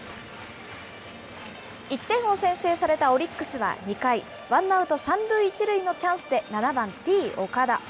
１点を先制されたオリックスは２回、ワンアウト３塁１塁のチャンスで７番Ｔー岡田。